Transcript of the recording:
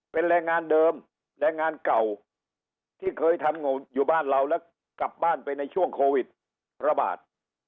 เป็นแรงงานเดิมแรงงานเก่าที่เคยทำอยู่บ้านเราแล้วกลับบ้านไปในช่วงโควิดระบาด